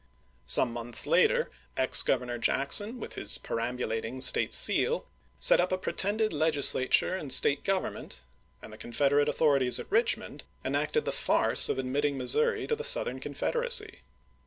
Some months later, ex Governor Jackson, with his perambulating State seal, set up a pretended Legislature and State government, and the Confed erate authorities at Richmond enacted the farce of admitting Missouri to the Southern Confederacy.